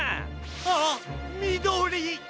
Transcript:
ああっみどり！